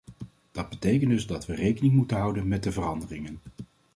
Dat betekent dus dat we rekening moeten houden met de veranderingen.